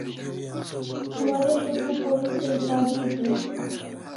Waresho tu college ai paris e?